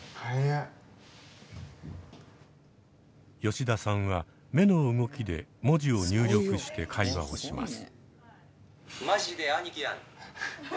吉田さんは目の動きで文字を入力して会話をします。